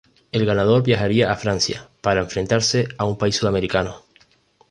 El ganador viajaría a Francia para enfrentarse a un país sudamericano.